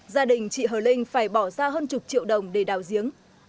gia đình chị hờ linh phải bỏ ra hơn chục triệu đồng để đào giếng